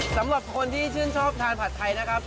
สำหรับคนที่ชื่นชอบทานผัดไทยนะครับ